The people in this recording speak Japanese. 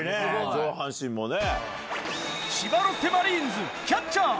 上半身もね。